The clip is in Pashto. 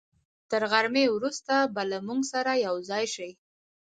تر غرمې وروسته به له موږ سره یوځای شي.